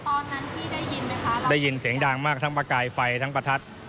ตอนนั้นพี่ได้ยินไหมคะได้ยินเสียงดังมากทั้งประกายไฟทั้งประทัด